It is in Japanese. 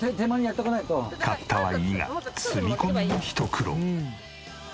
買ったはいいが積み込みもひと苦労。